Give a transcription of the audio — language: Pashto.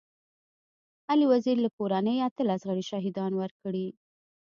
علي وزير له کورنۍ اتلس غړي شهيدان ورکړي.